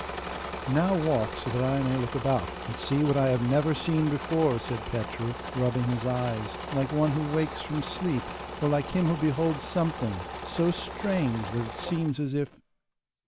'Now walk, so that I may look about, and see what I have never seen before,' said Petru, rubbing his eyes like one who wakes from sleep, or like him who beholds something so strange that it seems as if...